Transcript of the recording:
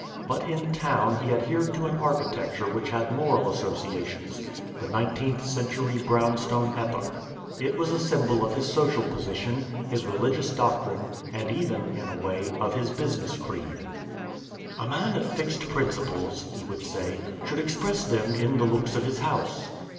But in town he adhered to an architecture which had moral associations, the Nineteenth Century Brownstone epoch. It was a symbol of his social position, his religious doctrine, and even, in a way, of his business creed. "A man of fixed principles," he would say, "should express them in the looks of his house.